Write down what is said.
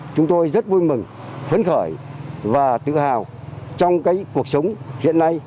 chúng tôi rất vui mừng phấn khởi và tự hào trong cuộc sống hiện nay